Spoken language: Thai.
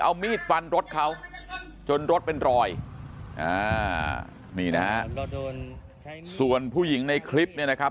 เอามีดฟันรถเขาจนรถเป็นรอยอ่านี่นะฮะส่วนผู้หญิงในคลิปเนี่ยนะครับ